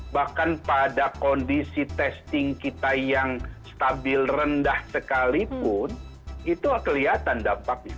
bahkan pada kondisi testing kita yang stabil rendah sekalipun itu kelihatan dampaknya